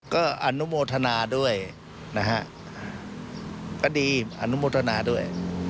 ก็อนุโมทนาด้วยนะฮะก็ดีอนุโมทนาด้วย